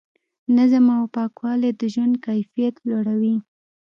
نظم او پاکوالی د ژوند کیفیت لوړوي.